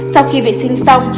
sau khi vệ sinh xong